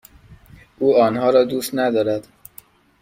او آنها را دوست ندارد.